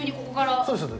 そうですよね